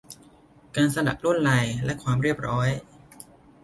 การสลักลวดลาย และความเรียบร้อย